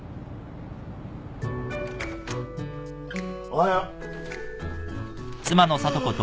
おはよう。